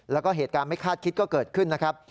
แล้วก็เหตุการณ์ไม่คาดคิดก็เกิดขึ้นนะครับ